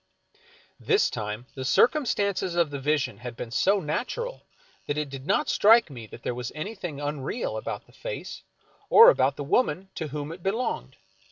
This time the circumstances of the vision had been so natural that it did not strike me that there was anything unreal about the face, or about the woman to whom it be longed.